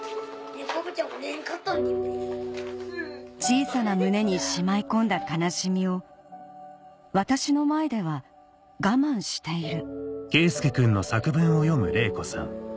「小さな胸にしまい込んだ悲しみを私の前では我慢している」